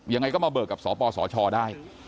ยังไงก็มาเบิกกับสปสชได้